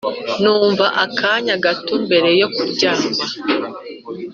numva akanya gato mbere yo kuryama,